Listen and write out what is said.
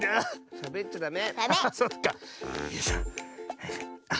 しゃべっちゃダメ！